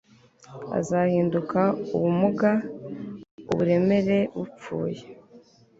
azahinduka ubumuga, uburemere bupfuye